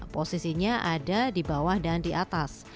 kursi ini ada di bawah dan di atas